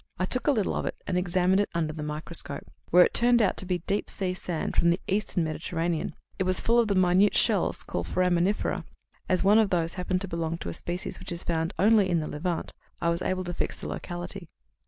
I took a little of it, and examined it under the microscope, when it turned out to be deep sea sand from the Eastern Mediterranean. It was full of the minute shells called 'Foraminifera,' and as one of these happened to belong to a species which is found only in the Levant, I was able to fix the locality."